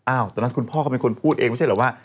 ตอนนั้นคุณพ่อเขาเป็นคนพูดเองไม่ใช่เหรอว่า